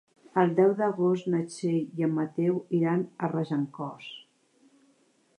El deu d'agost na Txell i en Mateu iran a Regencós.